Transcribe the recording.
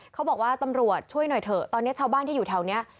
เขาบอกว่าตำรวจช่วยหน่อยเถอะตอนนี้ชาวบ้านที่อยู่แถวนี้